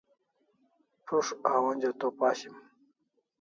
Prus't a onja to pashim